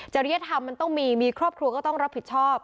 ริยธรรมมันต้องมีมีครอบครัวก็ต้องรับผิดชอบ